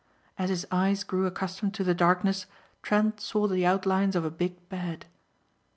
As his eyes grew accustomed to the darkness Trent saw the outlines of a big bed.